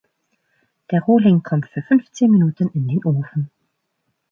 Der Rohling kommt für fünfzehn Minuten in den Ofen.